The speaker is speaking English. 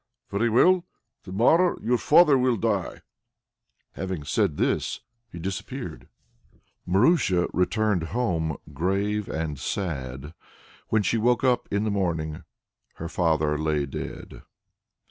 "Very well! To morrow your father will die!" Having said this, he disappeared. Marusia returned home grave and sad. When she woke up in the morning, her father lay dead!